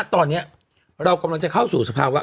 ตอนนี้เรากำลังจะเข้าสู่สภาวะ